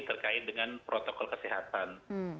terkait dengan protokol kesehatan